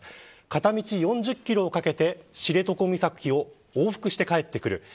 片道４０キロをかけて知床岬を往復して帰ってくる。